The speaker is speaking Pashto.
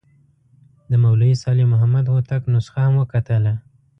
د مولوي صالح محمد هوتک نسخه هم وکتله.